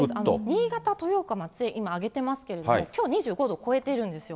新潟、豊岡あげていますけれども、きょう２５度超えてるんですよ、